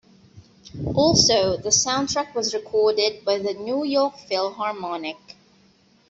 Also, the soundtrack was recorded by the New York Philharmonic.